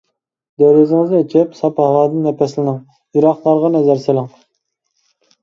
دېرىزىڭىزنى ئېچىپ، ساپ ھاۋادىن نەپەسلىنىڭ، يىراقلارغا نەزەر سېلىڭ.